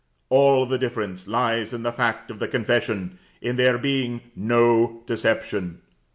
All the difference lies in the fact of the confession, in there being no deception.